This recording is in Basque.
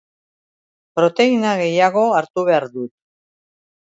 Proteina gehiago hartu behar dut.